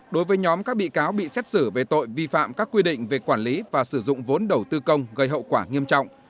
đối với nhóm các bị cáo bị xét xử về tội vi phạm các quy định về quản lý và sử dụng vốn đầu tư công gây hậu quả nghiêm trọng